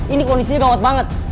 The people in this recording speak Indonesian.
ini kondisinya gawat banget